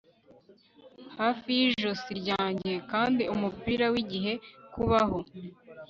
hafi yijosi ryanjye, ndi umupira wigihe kubaho